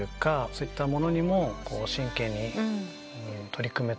そういったものにも真剣に取り組めた。